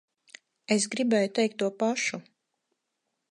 Es gribēju teikt to pašu.